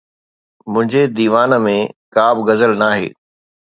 منهنجي ديوان ۾ ڪا به غزل ناهي.